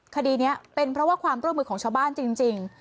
คดีนี้เป็นเพราะว่าความร่วมมือของชาวบ้านจริง